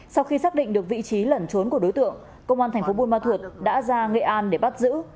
sau khi xác định được vị trí lẩn trốn của đối tượng công an tp bùa ma thuột đã ra nghệ an để bắt giữ